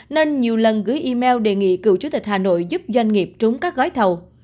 nên nhiều lần gửi email đề nghị cựu chủ tịch hà nội giúp doanh nghiệp trúng các gói thầu